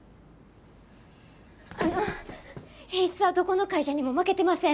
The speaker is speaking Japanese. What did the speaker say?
あの品質はどこの会社にも負けてません。